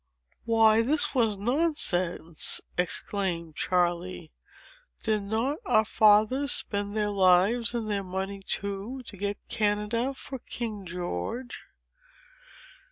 "Why, this was nonsense," exclaimed Charley; "did not our fathers spend their lives and their money too, to get Canada for King George?"